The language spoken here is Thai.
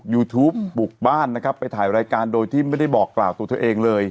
ยูทูปบุกบ้านนะครับไปถ่ายรายการโดยที่ไม่ได้บอกกล่าวตัวเธอเองเลย